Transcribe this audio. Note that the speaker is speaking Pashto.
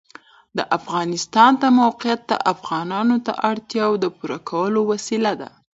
د افغانستان د موقعیت د افغانانو د اړتیاوو د پوره کولو وسیله ده.